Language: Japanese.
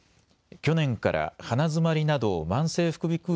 去年から鼻詰まりなど慢性副鼻くう